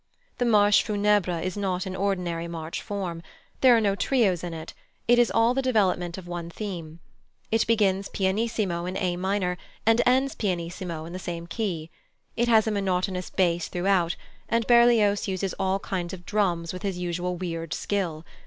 The "Marche Funèbre" is not in ordinary march form. There are no trios in it; it is all the development of one theme. It begins pianissimo in A minor, and ends pianissimo in the same key. It has a monotonous bass throughout, and Berlioz uses all kinds of drums with his usual weird skill.